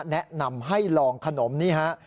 แนะนำให้ลองขนมนี่ฮะ